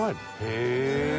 へえ。